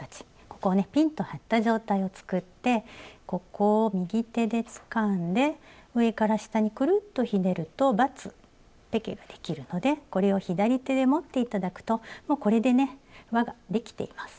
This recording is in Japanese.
ここをねピンと張った状態を作ってここを右手でつかんで上から下にクルッとひねるとバツペケができるのでこれを左手で持って頂くともうこれでねわができています。